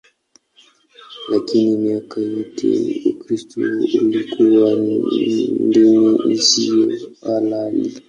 Lakini miaka yote Ukristo ulikuwa dini isiyo halali.